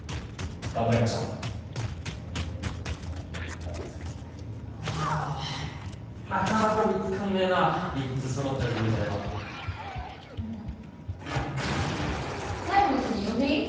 頑張りましょうあなかなか見つかんねえな３つ揃った人材はうん最後の組呼んでいい？